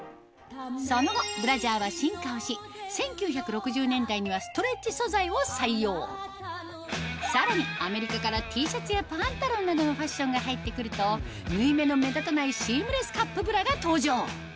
その後ブラジャーは進化をしさらにアメリカからＴシャツやパンタロンなどのファッションが入ってくると縫い目の目立たないシームレスカップブラが登場